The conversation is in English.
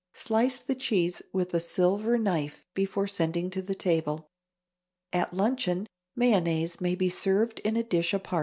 Slice the cheese with a silver knife before sending to table. At luncheon, mayonnaise may be served in a dish apart.